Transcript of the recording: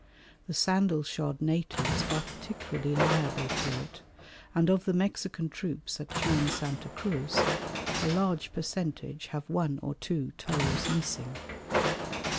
The sandal shod natives are particularly liable to it, and of the Mexican troops at Chan Santa Cruz a large percentage have one or two toes missing.